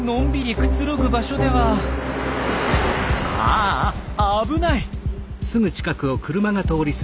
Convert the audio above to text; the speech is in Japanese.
あ危ない！